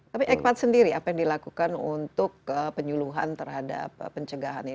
tapi ekpat sendiri apa yang dilakukan untuk penyuluhan terhadap pencegahan ini